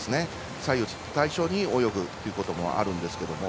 左右対称に泳ぐということもあるんですけれども。